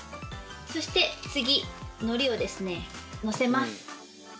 そして次のりをですね載せます。